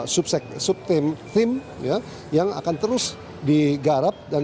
sub theme yang akan terus digarahkan jadi ini akan menjadi tema tema yang akan terus digarahkan